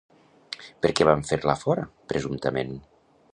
Per què van fer-la fora, presumptament?